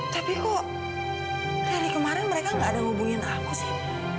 tapi kok dari kemarin mereka nggak ada hubungin aku sih